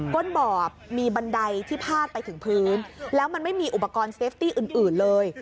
้นบ่อมีบันไดที่พาดไปถึงพื้นแล้วมันไม่มีอุปกรณ์เซฟตี้อื่นเลย